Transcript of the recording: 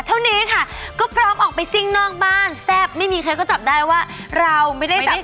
เท่านี้ค่ะก็พร้อมออกไปซิ่งนอกบ้านแซ่บไม่มีใครก็จับได้ว่าเราไม่ได้จับ